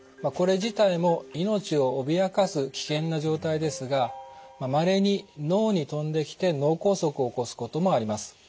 これ自体も命を脅かす危険な状態ですがまれに脳にとんできて脳梗塞を起こすこともあります。